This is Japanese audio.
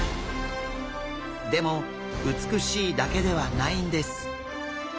でも美しいだけではないんです。